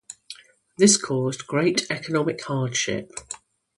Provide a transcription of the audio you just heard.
This caused great economic hardship.